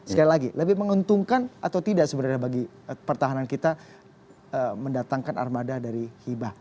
sekali lagi lebih menguntungkan atau tidak sebenarnya bagi pertahanan kita mendatangkan armada dari hibah